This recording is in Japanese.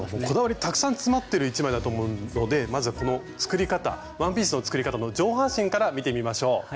こだわりたくさん詰まってる一枚だと思うのでまずはこの作り方ワンピースの作り方の上半身から見てみましょう。